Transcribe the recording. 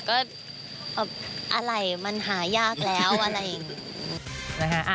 ก็อะไรมันหายากแล้วอะไรอย่างนี้นะคะ